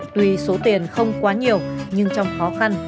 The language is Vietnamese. tuy số tiền không quá nhiều nhưng trong khó khăn